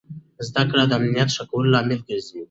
زده کړه د امنیت د ښه کولو لامل ګرځي.